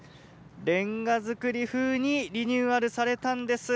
れんが造り風にリニューアルされたんです。